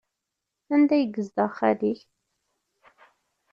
Anda ay yezdeɣ xali-k?